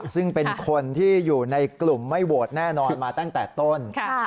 ซึ่งเป็นคนที่อยู่ในกลุ่มไม่โหวตแน่นอนมาตั้งแต่ต้น